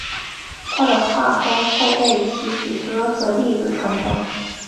他的画风后被其子孙和弟子传承。